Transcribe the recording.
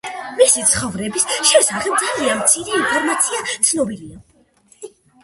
მისი ცხოვრების შესახებ ძალიან მცირე ინფორმაციაა ცნობილი.